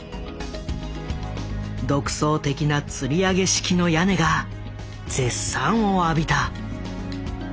独創的なつり上げ式の屋根が絶賛を浴びた。